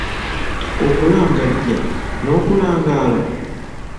Okulangajja n'okulangaala?